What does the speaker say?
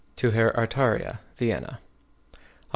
TO HERR ARTARIA, VIENNA. Oct.